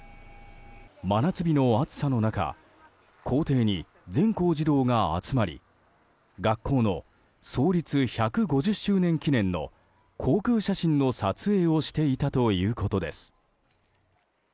真夏日の暑さの中校庭に全校児童が集まり学校の創立１５０周年記念の航空写真の撮影をしていたということです。